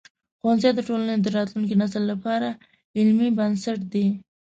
ښوونځی د ټولنې د راتلونکي نسل لپاره علمي بنسټ دی.